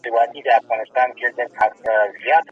د علمي څېړني لپاره ځانګړي پړاوونه اړین دي.